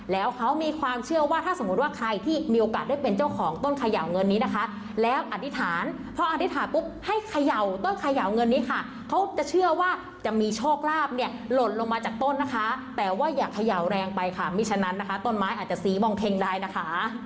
แล้วเขามีความเชื่อว่าถ้าสมมุติว่าใครที่มีโอกาสได้เป็นเจ้าของต้นเขย่าเงินนี้นะคะแล้วอธิษฐานพออธิษฐานปุ๊บให้เขย่าต้นเขย่าเงินนี้ค่ะเขาจะเชื่อว่าจะมีโชคลาภเนี่ยหล่นลงมาจากต้นนะคะแต่ว่าอย่าเขย่าแรงไปค่ะไม่ฉะนั้นนะคะต้นไม้อาจจะสีมองเพ็งได้นะคะ